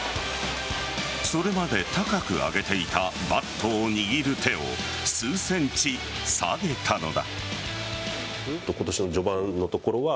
それまで高く上げていたバットを握る手を数ｃｍ、下げたのだ。